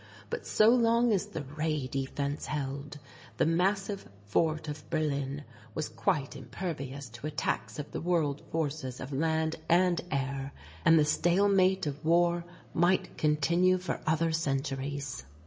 But so long as the Ray defence held, the massive fort of Berlin was quite impervious to attacks of the world forces of land and air and the stalemate of war might continue for other centuries.